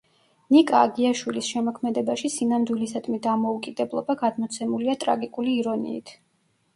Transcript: ნიკა აგიაშვილის შემოქმედებაში სინამდვილისადმი დამოუკიდებლობა გადმოცემულია ტრაგიკული ირონიით.